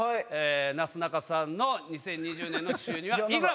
なすなかさんの２０２０年の収入は幾ら？